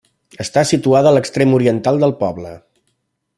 Està situada a l'extrem oriental del poble.